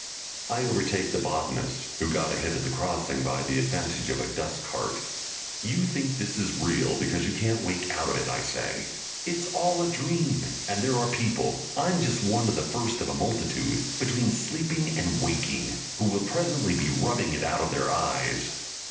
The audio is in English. I overtake the botanist, who got ahead at the crossing by the advantage of a dust cart. "You think this is real because you can't wake out of it," I say. "It's all a dream, and there are people I'm just one of the first of a multitude between sleeping and waking who will presently be rubbing it out of their eyes."